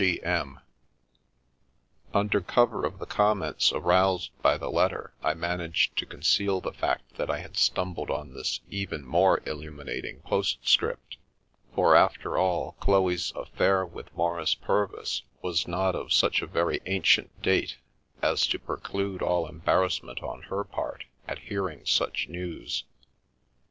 — G.M." Under cover of the comments aroused by the letter, I managed to conceal the fact that I had stumbled on this even more illuminating postscript, for, after all, Chloe's "affair" with Maurice Purvis was not of such a very ancient date as to preclude all embarrassment on her part at hearing such news.